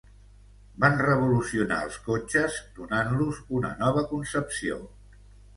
Van revolucionar els cotxes donant-los una nova concepció.